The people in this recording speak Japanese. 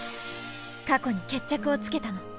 過去に決着をつけたの。